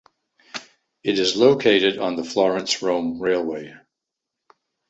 It is located on the Florence–Rome railway.